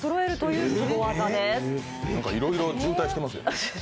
いろいろ渋滞してますよ。